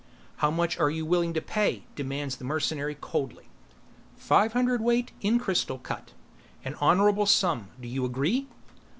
"How much are you willing to pay?" demands the mercenary coldly. "Five hundredweight in crystal cut." "An honorable sum. Do you agree?"